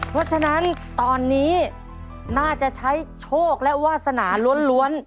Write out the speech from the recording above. เพราะฉะนั้นตอนนี้น่าจะใช้โชคและวาสนาล้วน